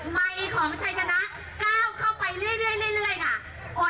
ไมค์ของชัยชนะก้าวเข้าไปเรื่อยค่ะ